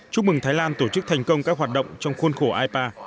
chúc mừng thái lan tổ chức thành công các hoạt động trong khuôn khổ ipa